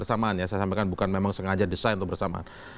saya sampaikan bukan memang sengaja desain untuk bersamaan